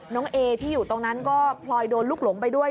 เอที่อยู่ตรงนั้นก็พลอยโดนลูกหลงไปด้วย